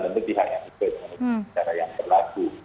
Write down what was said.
dan berpihak yang berlaku